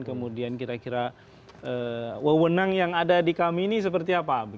kemudian kira kira wewenang yang ada di kami ini seperti apa